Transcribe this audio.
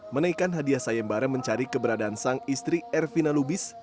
menaikkan hadiah sayembara mencari keberadaan sang istri ervina lubis